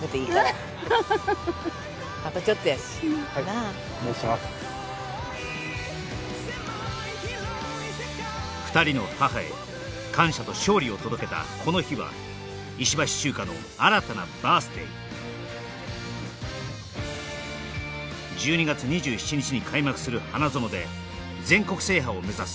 あ２人の母へ感謝と勝利を届けたこの日は石橋チューカの新たなバース・デイ１２月２７日に開幕する花園で全国制覇を目指す